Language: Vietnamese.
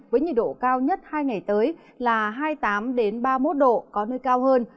với nhiệt độ cao nhất hai ngày tới là hai mươi tám ba mươi một độ có nơi cao hơn